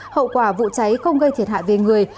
hậu quả vụ cháy không gây thiệt hại về người